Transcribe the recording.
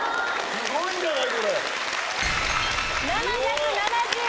すごいんじゃない？